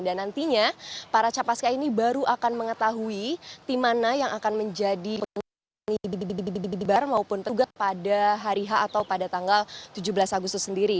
dan nantinya para capaskai ini baru akan mengetahui tim mana yang akan menjadi pengibar maupun tergugat pada hari h atau pada tanggal tujuh belas agustus sendiri